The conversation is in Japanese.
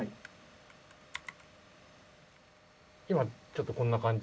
今ちょっとこんな感じで。